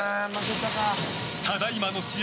ただいまの試合